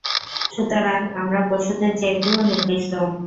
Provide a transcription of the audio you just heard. সুতরাং আমরা পশুদের চেয়ে একটু নিকৃষ্ট।